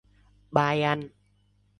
Bye anh